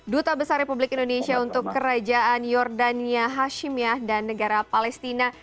duta besar republik indonesia untuk kerajaan yordania hashimyah dan negara palestina